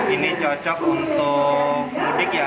ini cocok untuk mudik ya